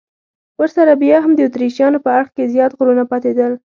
ورسره بیا هم د اتریشیانو په اړخ کې زیات غرونه پاتېدل.